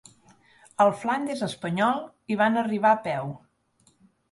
Al Flandes espanyol hi van arribar a peu.